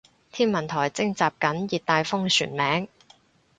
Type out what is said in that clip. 天文台徵集緊熱帶風旋名